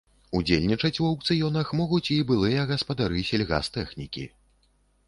Удзельнічаць у аўкцыёнах могуць і былыя гаспадары сельгастэхнікі.